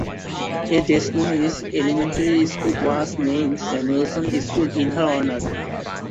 A Des Moines elementary school was named Samuelson School in her honor.